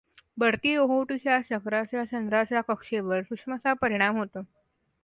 भरती ओहोटीच्या चक्राचा चंद्राच्या कक्षेवर सूक्ष्मसा परीणाम होतो.